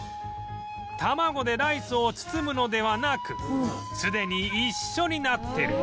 卵でライスを包むのではなくすでに一緒になってる！